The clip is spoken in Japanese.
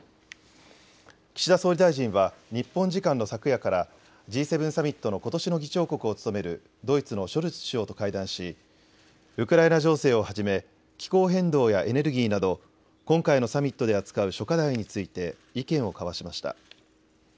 岸田総理大臣は日本時間の昨夜からＧ７サミットのことしの議長国を務めるドイツのショルツ首相と会談しウクライナ情勢をはじめ気候変動やエネルギーなど今回のサミットで扱う諸課題について意見を交わしました。